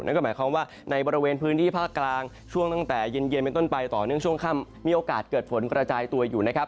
นั่นก็หมายความว่าในบริเวณพื้นที่ภาคกลางช่วงตั้งแต่เย็นเป็นต้นไปต่อเนื่องช่วงค่ำมีโอกาสเกิดฝนกระจายตัวอยู่นะครับ